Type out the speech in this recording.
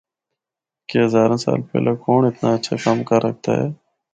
کہ ہزاراں سال پہلا کونڑ اتنا ہچھا کم کر ہکدا ہے۔